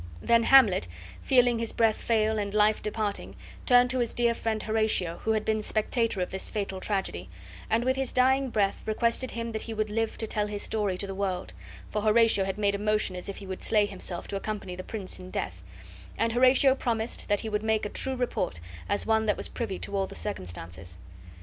Then Hamlet, feeling his breath fail and life departing, turned to his dear friend Horatio, who had been spectator of this fatal tragedy; and with his dying breath requested him that he would live to tell his story to the world (for Horatio had made a motion as if he would slay himself to accompany the prince in death), and Horatio promised that he would make a true report as one that was privy to all the circumstances.